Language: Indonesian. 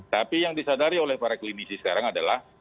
tapi yang disadari oleh para klinisi sekarang adalah